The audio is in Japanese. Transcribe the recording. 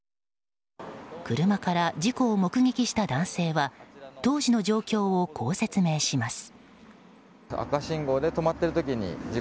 車から事故を目撃した男性は当時の状況をこう説明します。